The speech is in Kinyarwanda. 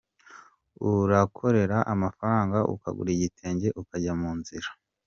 Urakorera amafaranga ukagura igitenge ukajya mu nzira.